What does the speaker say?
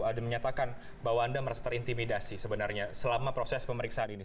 ada yang menyatakan bahwa anda merasa terintimidasi sebenarnya selama proses pemeriksaan ini